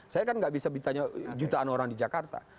saya kan gak bisa bertanya jutaan orang di jakarta